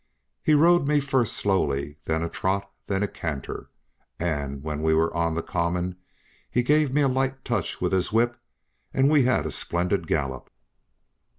He rode me first slowly, then a trot, then a canter, and when we were on the common, he gave me a light touch with his whip, and we had a splendid gallop.